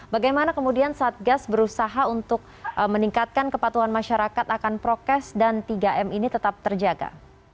bagaimana kemudian satgas berusaha untuk meningkatkan kepatuhan masyarakat akan prokes dan tiga m ini tetap terjaga